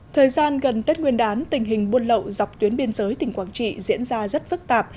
thời gian gần tết nguyên đán tình hình buôn lậu dọc tuyến biên giới tỉnh quảng trị diễn ra rất phức tạp